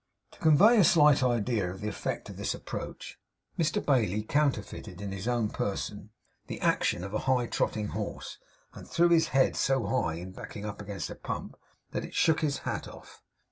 To convey a slight idea of the effect of this approach, Mr Bailey counterfeited in his own person the action of a high trotting horse and threw up his head so high, in backing against a pump, that he shook his hat off.